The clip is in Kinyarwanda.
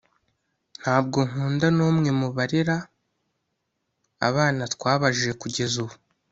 ntabwo nkunda numwe mubarera abana twabajije kugeza ubu